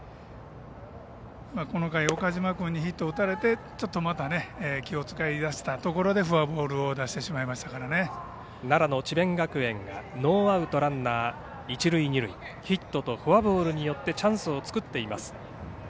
この回も岡島君にヒットを打たれてまた気を遣い出したところでフォアボールを奈良の智弁学園がノーアウトランナー、一塁二塁ヒットとフォアボールによってチャンスを作っています。